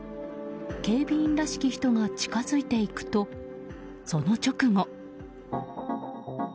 警備員らしき人が近づいていくとその直後。